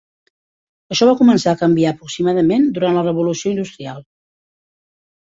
Això va començar a canviar aproximadament durant la Revolució Industrial.